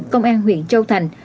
công an huyện châu thành